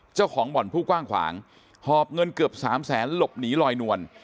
เจ้าของบ่อนผู้กว้างขวางหอบเงินเกือบสามแสนหลบหนีลอยนวล